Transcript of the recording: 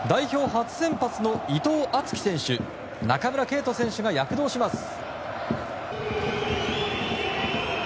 初先発の伊藤敦樹選手中村敬斗選手が躍動します。